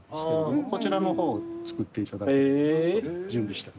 こちらの方作っていただける準備してます。